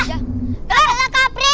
kak bella kak april